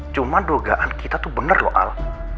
cuma dugaan kita tuh bener loh al